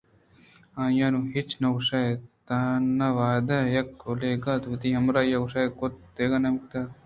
آئی ءَ نوں ہچ نہ گوٛشت تنا وہد یکہ اولگا اتک ءُوتی ہمرائی ءَ کشاّن کُت ءُدگہ نیمگے برُت